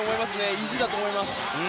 意地だと思います。